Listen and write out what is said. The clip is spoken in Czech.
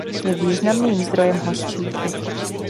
Je významným zdrojem hořčíku.